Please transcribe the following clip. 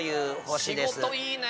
仕事いいね！